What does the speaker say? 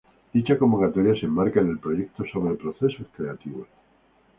Dicha convocatoria se enmarca en el proyecto sobre procesos creativos